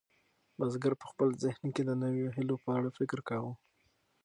بزګر په خپل ذهن کې د نویو هیلو په اړه فکر کاوه.